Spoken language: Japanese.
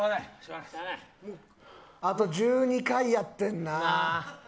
あと１２回やってんな。